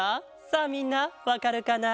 さあみんなわかるかな？